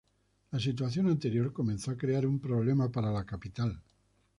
La situación anterior comenzó a crear un problema para la capital.